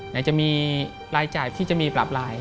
ไหนจะมีรายจ่ายที่จะมีปรับราย